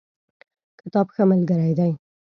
کتاب ښه ملګری دی